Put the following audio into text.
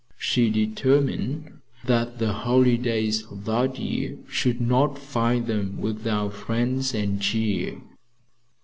She determined that the holidays that year should not find them without friends and cheer.